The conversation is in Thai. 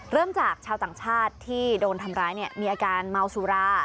เริ่มจากชาวต่างชาติที่โดนทำร้ายเนี่ยมีอาการเมาสุรา